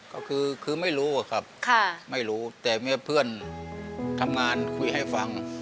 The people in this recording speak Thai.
ก็คือไม่รู้อะครับไม่รู้แต่มีเพื่อนทำงานคุยให้ฟัง